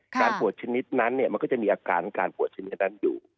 ปวดชนิดนั้นมันก็จะมีอาการการปวดชนิดนั้นอยู่